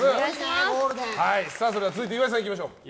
それでは続いて岩井さんいきましょう。